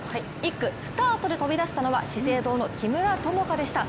１区、スタートで飛び出したのは資生堂の木村友香でした。